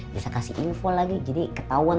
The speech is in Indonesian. bisa kasih info lagi jadi ketahuan